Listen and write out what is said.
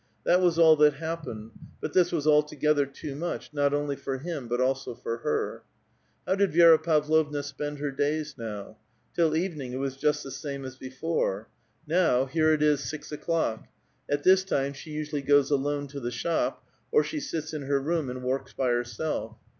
That was all that happened, but this was altogether too much, not only for him, but also for her. How did Vi6ra Pavlovna spend her days now ? Till evening it was just the same as before. Now, here it is six o'clock ; at this time she usually goes alone to the shop, or she sits in her room, and works by herself.